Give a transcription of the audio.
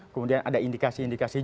kemudian ada indikasi indikasi